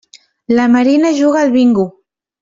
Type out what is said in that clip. La Marina juga al bingo.